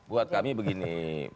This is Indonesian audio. buat kami begini